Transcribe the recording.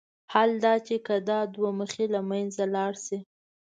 حال دا چې که دا دوه مخي له منځه لاړ شي.